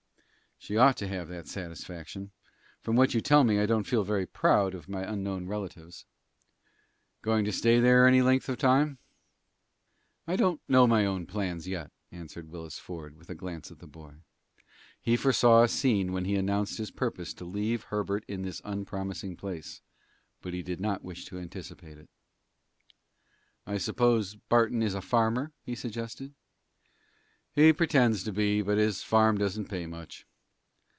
"She ought to have that satisfaction. From what you tell me, I don't feel very proud of my unknown relatives." "Goin' to stay there any length of time?" "I don't know my own plans yet," answered Willis Ford, with a glance at the boy. He foresaw a scene when he announced his purpose to leave Herbert in this unpromising place, but he did not wish to anticipate it. "I suppose Barton is a farmer?" he suggested. "He pretends to be, but his farm doesn't pay much."